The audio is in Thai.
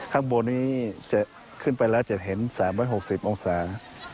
ข้างบนนี้จะขึ้นไปแล้วจะเห็น๓๖๐องศา